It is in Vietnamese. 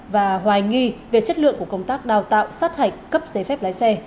và hoài nghi về chất lượng của công tác đào tạo sát hạch cấp giấy phép lái xe